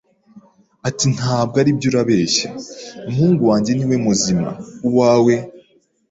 ati Ntabwo ari byo Urabeshya umuhungu wange ni we muzima uwawe